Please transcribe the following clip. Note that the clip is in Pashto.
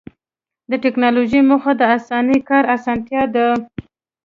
د ټکنالوجۍ موخه د انساني کار اسانتیا ده.